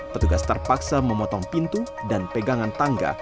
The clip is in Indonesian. petugas terpaksa memotong pintu dan pegangan tangga